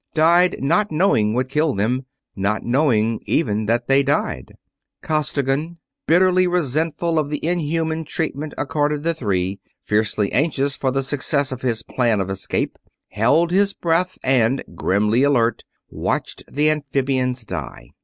Died not knowing what killed them, not knowing even that they died. Costigan, bitterly resentful of the inhuman treatment accorded the three and fiercely anxious for the success of his plan of escape, held his breath and, grimly alert, watched the amphibians die.